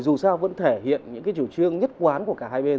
dù sao vẫn thể hiện những cái chiều trương nhất quán của cả hai bên